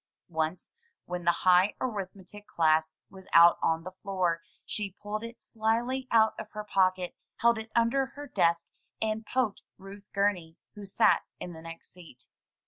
Once, when the high arithmetic class was out on the floor, she pulled it slyly out of her pocket, held it under her desk, and poked Ruth Gumey, who sat in the next seat.